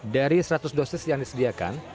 dari seratus dosis yang disediakan